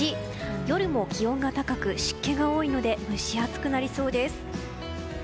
夜も気温が高く湿気が多いので蒸し暑くなりそうです。